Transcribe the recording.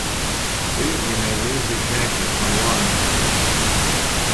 These remain loosely connected for a while after fission.